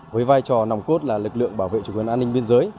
với vai trò nòng cốt là lực lượng bảo vệ chủ quyền an ninh biên giới